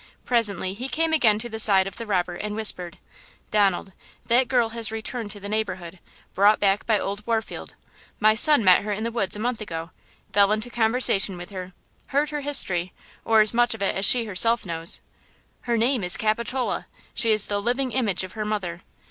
Presently he came again to the side of the robber and whispered: "Donald, that girl has returned to the neighborhood, brought back by old Warfield. My son met her in the woods a month ago, fell into conversation with her, heard her history, or as much of it as she herself knows. Her name is Capitola! She is the living image of her mother!